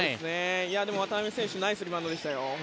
渡邊選手もナイスリバウンドでした。